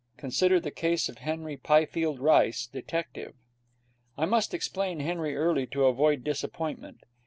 Consider the case of Henry Pifield Rice, detective. I must explain Henry early, to avoid disappointment.